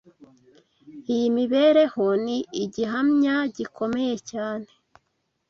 Iyi mibereho ni igihamya gikomeye cyane